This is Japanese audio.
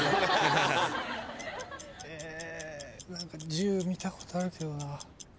１０見たことあるけどな。